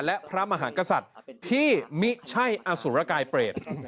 และพระมหากษัตริย์ที่มิใช่อสุรกายเปรต